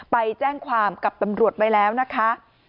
ไปแจ้งความกับตำรวจไว้แล้วนะคะ